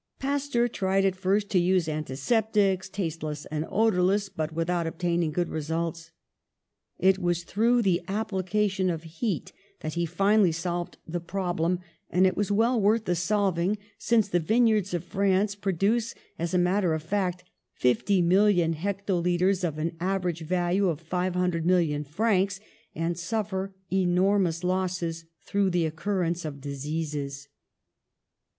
Pasteur tried at first to use antiseptics, taste less and odourless, but without obtaining good results. It was through the application of heat that he finally solved the problem, and it was well worth the solving, since the vineyards of France produce as a matter of fact fifty million hectolitres of an average value of five hundred million francs, and suffer enormous losses through the occurrence of diseases.